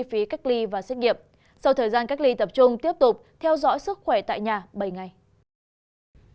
sau thời gian cách ly tập trung tiếp tục theo dõi sức khỏe tại nhà bảy ngày